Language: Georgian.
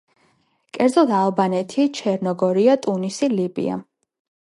კერძოდ: ალბანეთი, ჩერნოგორია, ტუნისი, ლიბია.